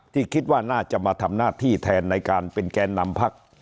ที่คิดว่าน่าจะมาทำหน้าที่แทนในการเป็นแกนนำพัก